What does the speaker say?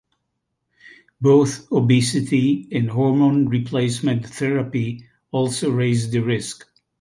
Both obesity and hormone replacement therapy also raise the risk.